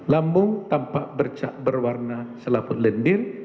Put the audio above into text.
lambung tampak bercak berwarna selaput lendir